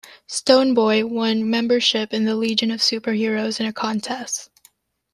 Stone Boy won membership in the Legion of Superheroes in a contest.